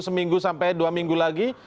seminggu sampai dua minggu lagi